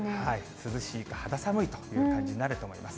涼しいか肌寒いという感じになると思います。